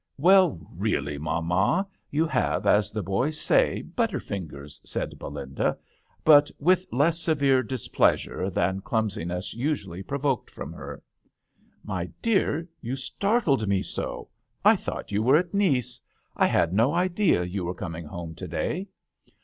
"Well really, mamma, you have, as the boys say, butter fingers !" said Belinda, but with less severe displeasure than clumsiness usually provoked from her. " My dear, you startled me so. I thought you were at Nice. I had no idea you were coming home to day."